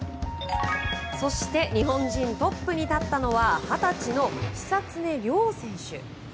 そして日本人トップに立ったのは二十歳の久常涼選手。